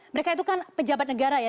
mereka itu kan pejabat negara ya